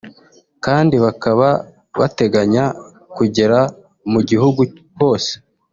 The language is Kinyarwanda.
kandi bakaba bateganya kugera mu gihugu hose